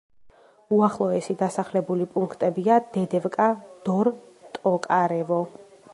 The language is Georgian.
უახლოესი დასახლებული პუნქტებია: დედევკა, დორ, ტოკარევო.